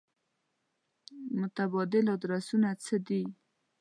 متبادل ادرسونه څه دي.